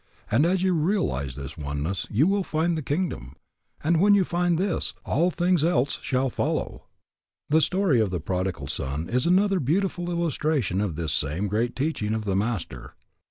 As you realize this oneness you find the kingdom, and when you find this, all things else shall follow. The story of the prodigal son is another beautiful illustration of this same great teaching of the Master.